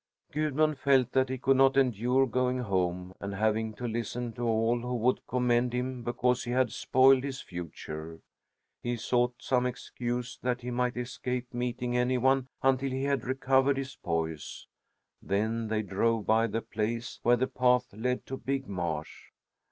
Gudmund felt that he could not endure going home and having to listen to all who would commend him because he had spoiled his future. He sought some excuse that he might escape meeting any one until he had recovered his poise. Then they drove by the place where the path led to Big Marsh.